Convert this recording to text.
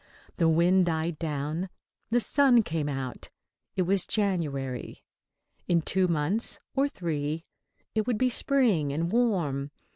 The wind died down; the sun came out. It was January. In two months, or three, it would be spring and warm.